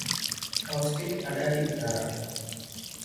Austin ada di utara.